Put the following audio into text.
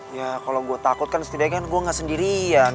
ya kalo gua takut kan setidaknya gua ga sendirian